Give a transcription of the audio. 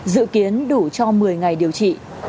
dự kiến đủ cho một mươi ngày điều trị